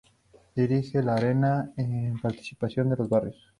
Dirige el Área de Participación de los Barrios.